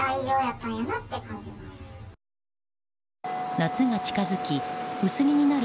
夏が近づき薄着になる